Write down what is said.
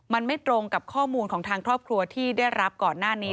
มันไม่ตรงกับข้อมูลของทางครอบครัวที่ได้รับก่อนหน้านี้